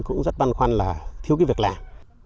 cũng rất băn khoăn là thiếu cái việc làm